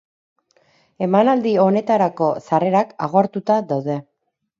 Emanaldi honetarako sarrerak agortuta daude.